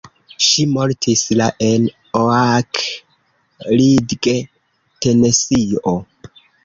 Ŝi mortis la en Oak Ridge, Tenesio.